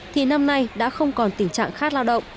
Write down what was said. thì năm nay đã không còn tình trạng khát lao động